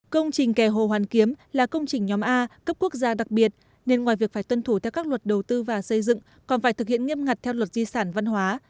công trình kè hồ hoàn kiếm là công trình nhóm a cấp quốc gia đặc biệt nên ngoài việc phải tuân thủ theo các luật đầu tư và xây dựng còn phải thực hiện nghiêm ngặt theo luật di sản văn hóa